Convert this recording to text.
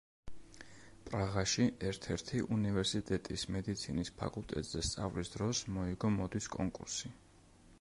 პრაღაში ერთ-ერთი უნივერსიტეტის მედიცინის ფაკულტეტზე სწავლის დროს მოიგო მოდის კონკურსი.